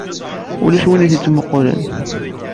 Ulac win i tt-ittmuqqulen.